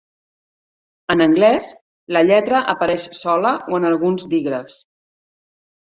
En anglès, la lletra apareix sola o en alguns dígrafs.